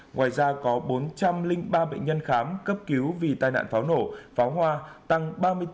ngoài ra có bốn trăm linh ba bệnh nhân khám cấp cứu vì tai nạn pháo nổ pháo hoa tăng ba mươi bốn